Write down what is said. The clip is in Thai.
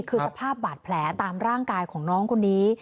คือสภาพบาดแผลตามร่างกายของน้องคนนี้